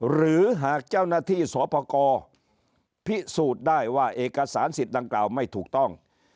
หรือหากเจ้าหน้าที่สพกรพิสูจน์ได้ว่าเอกสารสิทธิ์ดังกล่าวไม่ถูกต้อง